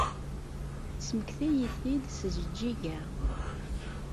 Tesmektay-it-id s Jeǧǧiga.